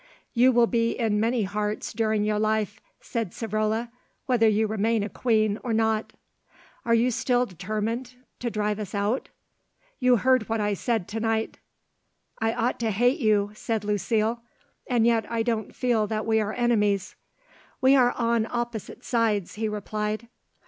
"You will be in many hearts during your life," said Savrola, "whether you remain a queen or not." "You are still determined to drive us out?" "You heard what I said to night." "I ought to hate you," said Lucile; "and yet I don't feel that we are enemies." "We are on opposite sides," he replied.